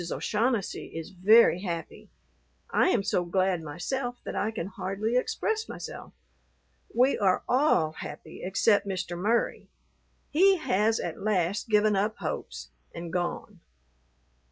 O'Shaughnessy is very happy. I am so glad myself that I can hardly express myself. We are all happy except Mr. Murry; he has at last given up hopes, and gone.